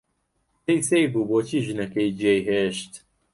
پێی سەیر بوو بۆچی ژنەکەی جێی هێشت.